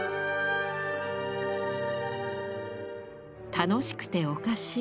楽しくておかしい